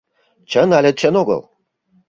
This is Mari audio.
Чын але чын огыл?